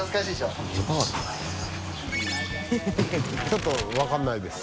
ちょっと分からないです